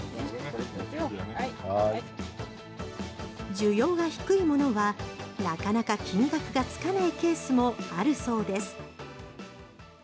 需要が低いものはなかなか金額がつかないケースもあるそうです。